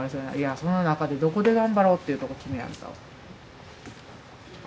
その中でどこで頑張ろうというとこ決めやんと。